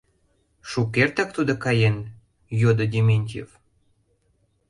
— Шукертак тудо каен? — йодо Дементьев.